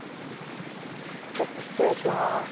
ちょっと失礼します。